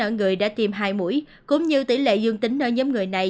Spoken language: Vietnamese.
ở người đã tiêm hai mũi cũng như tỷ lệ dương tính ở nhóm người này